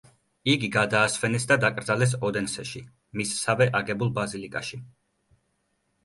იგი გადაასვენეს და დაკრძალეს ოდენსეში, მისსავე აგებულ ბაზილიკაში.